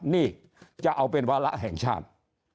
นี่จะเอาเป็นวาระแห่งชาติ